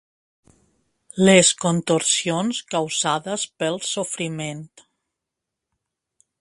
Les contorsions causades pel sofriment.